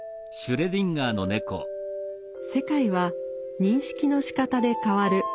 世界は認識のしかたで変わる。